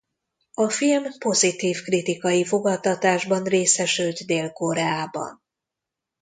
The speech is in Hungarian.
A film pozitív kritikai fogadtatásban részesült Dél-Koreában.